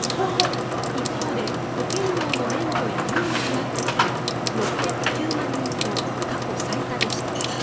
一方で、保険料の免除や猶予となった人は６０９万人と過去最多でした。